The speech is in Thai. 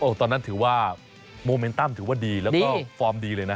ตอนนั้นถือว่าโมเมนตั้มถือว่าดีแล้วก็ฟอร์มดีเลยนะ